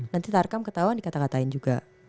nanti tarkam ketauan dikatakan juga